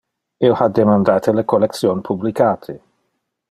Io ha demandate le collection publicate.